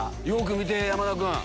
よく見て山田君。